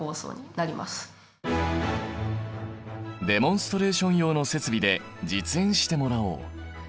デモンストレーション用の設備で実演してもらおう。